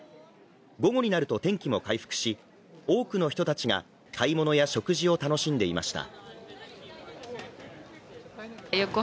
午後になると天気も回復し、多くの人たちが買い物や食事を楽しんでいました。